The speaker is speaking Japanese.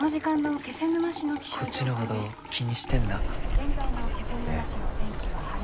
現在の気仙沼市の天気は晴れ。